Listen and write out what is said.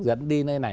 dẫn đi nơi này